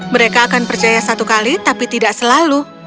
mereka akan percaya satu kali tapi tidak selalu